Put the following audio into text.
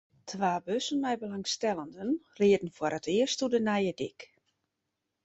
Twa bussen mei belangstellenden rieden foar it earst oer de nije dyk.